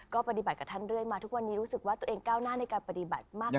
ก็ปฏิบัติกับท่านเรื่อยมาทุกวันนี้รู้สึกว่าตัวเองก้าวหน้าในการปฏิบัติมาก